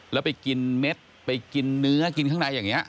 แล้วไปกินเม็ดไปกินเนื้อกินข้างในอย่างนี้